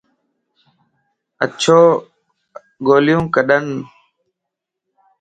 اچو گوليو ڪڏا ن